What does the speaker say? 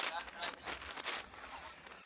کډه وکړه هغه ښار ته چي آباد سې